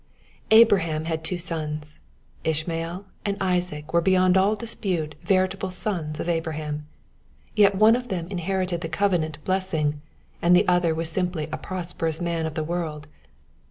BRAHAM had two sons. Ishmael and Isaac were beyond all dispute veritable sons of Abraham. Yet one of them inherited the covenant blessing, and the other was simply a prosperous man of the world.